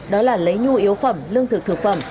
đó là lấy nhu yếu phẩm lương thực thực phẩm